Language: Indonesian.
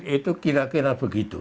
itu kira kira begitu